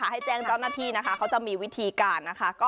ให้แจ้งเจ้าหน้าที่นะคะเขาจะมีวิธีการนะคะ